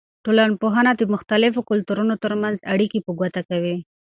ټولنپوهنه د مختلفو کلتورونو ترمنځ اړیکې په ګوته کوي.